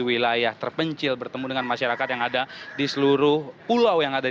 wilayah terpencil bertemu dengan masyarakat yang ada di seluruh pulau yang ada di